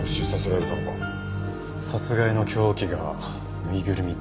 殺害の凶器がぬいぐるみ。